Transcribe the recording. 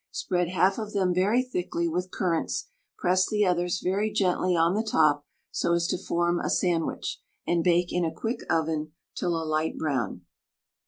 Spread half of them very thickly with currants, press the others very gently on the top, so as to form a sandwich, and bake in a quick oven till a light brown.